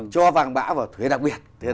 cho vàng bã vào thuế đặc biệt